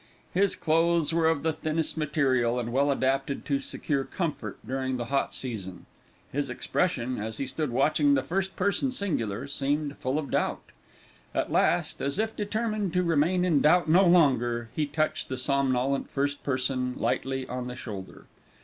His clothes were of the thinnest material, and well adapted to secure comfort during the hot season. His expression, as he stood watching the first person singular, seemed full of doubt. At last, as if determined to remain in doubt no longer, he touched the somnolent first person lightly on the shoulder.